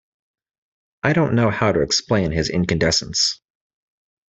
I don't know how to explain his incandescence.